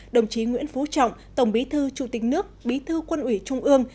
đồng chí nguyễn phú trọng tổng bí thư chủ tịch nước bí thư quân ủy trung ương